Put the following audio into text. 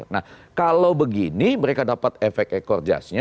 nah kalau begini mereka dapat efek ekorjasnya